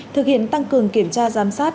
thực hiện tăng cường kiểm tra giám sát